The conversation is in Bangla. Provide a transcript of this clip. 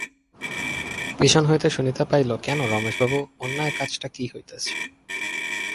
পিছন হইতে শুনিতে পাইল, কেন রমেশবাবু, অন্যায় কাজটা কী হইতেছে?